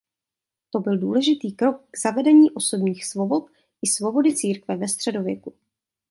To byl důležitý krok k zavedení osobních svobod i svobody církve ve středověku.